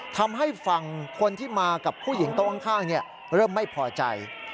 ทำให้ฝั่งคนที่มากับผู้หญิงโต๊ะข้างเริ่มไม่พอใจ